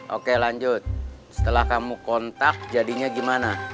oke lanjut setelah kamu kontak jadinya gimana